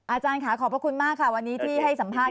อาจารย์ค่ะขอบพระคุณมากค่ะวันนี้ที่ให้สัมภาษณ